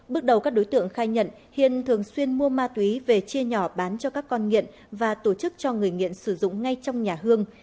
bước đầu các đối tượng khai nhận hiên thường xuyên mua ma túy về chia nhỏ bán cho các con nghiện và tổ chức cho người nghiện sử dụng ngay trong nhà hương